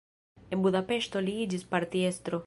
En Budapeŝto li iĝis partiestro.